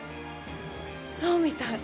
そうみたい。